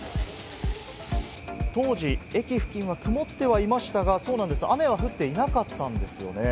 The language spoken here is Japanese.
当時、駅付近は曇っていましたが、そうなんです、雨は降っていなかったんですよね。